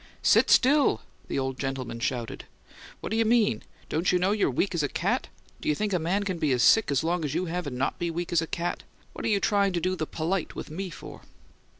"Sit still!" the old gentleman shouted. "What do you mean? Don't you know you're weak as a cat? D'you think a man can be sick as long as you have and NOT be weak as a cat? What you trying to do the polite with ME for?"